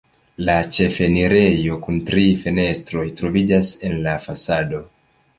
La ĉefenirejo kun tri fenestroj troviĝas en la fasado.